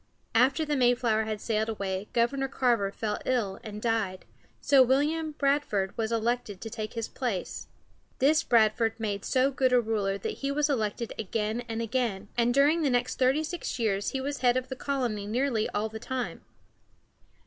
After the Mayflower had sailed away Governor Carver fell ill and died, so William Bradford was elected to take his place. This Bradford made so good a ruler that he was elected again and again, and during the next thirty six years he was head of the colony nearly all the time.